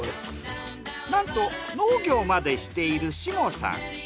なんと農業までしている下さん。